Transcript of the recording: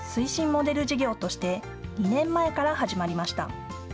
モデル事業として２年前から始まりました。